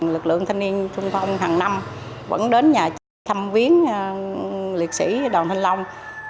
lực lượng thanh niên sung phong hàng năm vẫn đến nhà thăm viên liệt sĩ đoàn thanh long